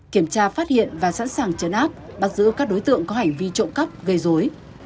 kiểm tra phát hiện và sẵn sàng chấn áp bắt giữ các đối tượng có hành vi trộm cắp gây dối